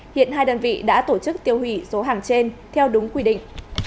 hiện hai đơn vị đã tổ chức tiêu hủy số hàng trên theo đúng quy định